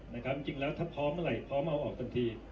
นะครับจริงแล้วถ้าพร้อมอะไรพร้อมเอาออกทันที